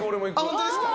本当ですか？